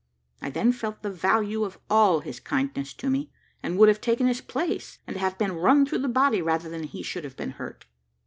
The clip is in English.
I then felt the value of all his kindness to me, and would have taken his place, and have been run through the body, rather than he should have been hurt.